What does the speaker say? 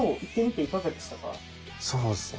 そうですね。